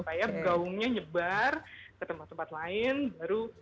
supaya gaungnya nyebar ke tempat tempat lain baru yang lain international release